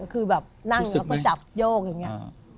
คือแบบนั่งแล้วก็จับโยกอย่างนี้